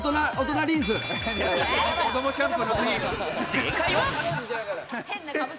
正解は。